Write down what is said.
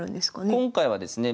今回はですね